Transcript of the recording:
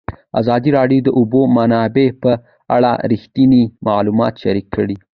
ازادي راډیو د د اوبو منابع په اړه رښتیني معلومات شریک کړي.